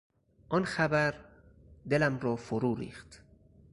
آن خبر دلم را فروریخت.